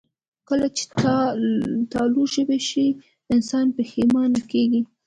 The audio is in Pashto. کله چې تالو ژبې شي، انسان پښېمانه کېږي